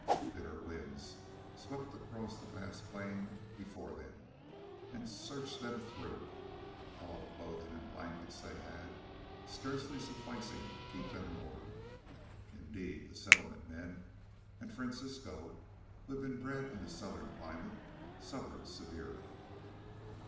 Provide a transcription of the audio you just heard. Bitter winds swept across the vast plain before them and searched them through, all the clothing and blankets they had scarcely sufficing to keep them warm; indeed, the Settlement men and Francisco, who had been bred in a southern clime, suffered severely.